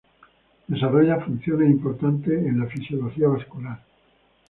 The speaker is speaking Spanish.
Desarrolla funciones importantes en la fisiología vascular.